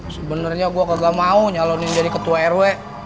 sebenarnya gue kagak mau nyalonin jadi ketua rw